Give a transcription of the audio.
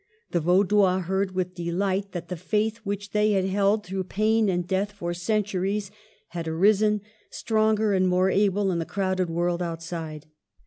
The Vaudois heard with delight that the faith which they had held through pain and death for centuries had arisen, stronger and more able, in the crowded world outside.